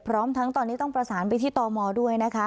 พร้อมทั้งตอนนี้ต้องประสานไปที่ตมด้วยนะคะ